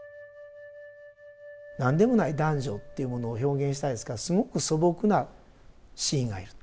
何でもない男女っていうものを表現したいですからすごく素朴なシーンがいる。